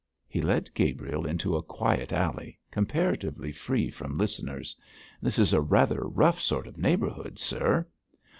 He led Gabriel into a quiet alley, comparatively free from listeners. 'This is a rather rough sort of neighbourhood, sir.'